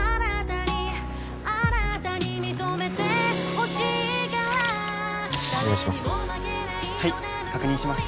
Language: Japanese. お願いします